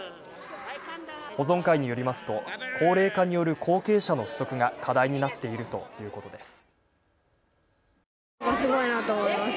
保存会によりますと高齢化による後継者の不足が課題になっているということです。